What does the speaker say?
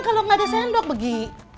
kalau nggak ada sendok pergi